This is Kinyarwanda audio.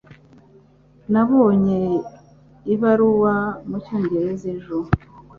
Nabonye ibaruwa mucyongereza ejo.